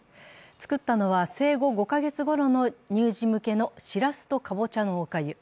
作ったのは、生後５か月ごろの乳児向けのしらすとかぼちゃのおかゆ。